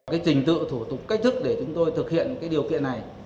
cái trình tự thủ tục cách thức để chúng tôi thực hiện cái điều kiện này